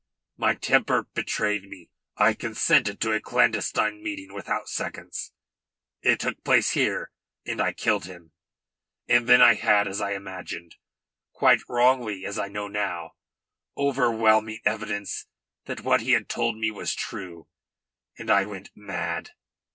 My temper betrayed me. I consented to a clandestine meeting without seconds. It took place here, and I killed him. And then I had, as I imagined quite wrongly, as I know now overwhelming evidence that what he had told me was true, and I went mad."